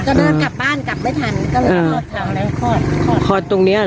ก็เดินกลับบ้านกลับไม่ทันก็เลยคลอดทางแล้วคลอดคลอดคลอดตรงเนี้ยเห